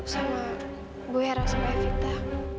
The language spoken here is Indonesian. sama bu hera sama kita